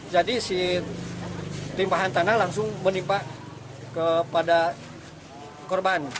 jadi si timpahan tanah langsung menimpa kepada korban